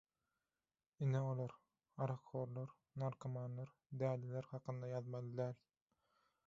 Ine olar: arakhorlar, narkomanlar, däliler hakynda ýazmaly däl.